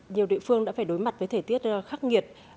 nhiều địa phương đã phải đối mặt với thời tiết khắc nghiệt